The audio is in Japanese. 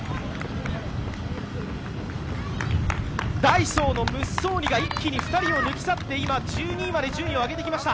ダイソーのムッソーニが一気に２人を抜き去って、今、１２位まで順位を上げてきました。